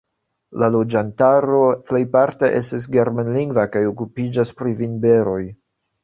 La loĝantaro plejparte estas germanlingva kaj okupiĝas pri vinberoj.